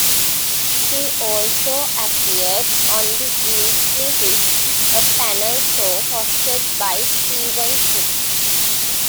She also appeared on "The Weekly Riff", a panel show hosted by Steven Smith.